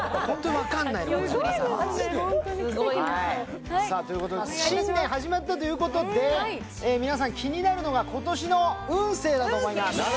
ホントに奇跡さあということで新年始まったということで皆さん気になるのが今年の運勢だと思います